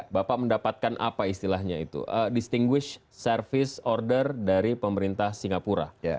bapak mendapatkan apa istilahnya itu distinguish service order dari pemerintah singapura